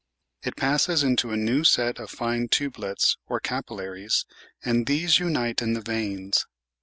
It passes into a new set of fine tubelets or capillaries, and these unite in the veins.